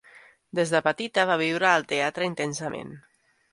Des de petita va viure el teatre intensament.